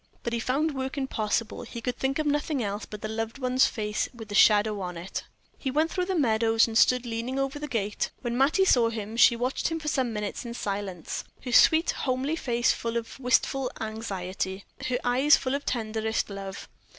But he found work impossible; he could think of nothing else but the loved one's face with the shadow on it. He went through the meadows, and stood leaning over the gate. When Mattie saw him she watched him for some minutes in silence, her sweet, homely face full of wistful anxiety, her eyes full of tenderest love.